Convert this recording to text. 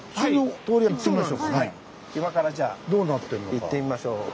行ってみましょうかね。